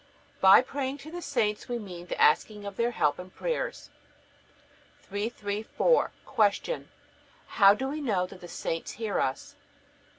By praying to the saints we mean the asking of their help and prayers. 334. Q. How do we know that the saints hear us?